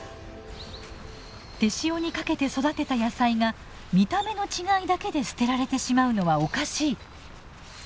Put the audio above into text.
手塩にかけて育てた野菜が見た目の違いだけで捨てられてしまうのはおかしい。